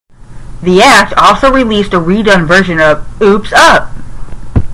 The act also released a re-done version of Oops Up!